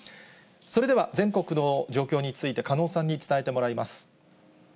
それでは全国の状況について、加納さんに伝えてもらいます。